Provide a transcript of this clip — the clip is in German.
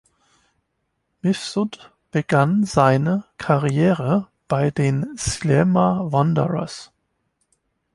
Mifsud begann seine Karriere bei den Sliema Wanderers.